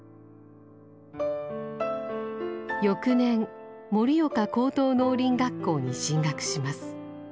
翌年盛岡高等農林学校に進学します。